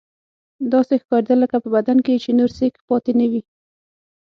داسې ښکارېدل لکه په بدن کې چې یې نور سېک پاتې نه وي.